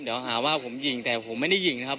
เดี๋ยวหาว่าผมยิงแต่ผมไม่ได้ยิงนะครับ